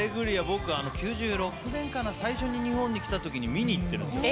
僕、９６年かな最初に日本に来た時に見に行ってるんですよ。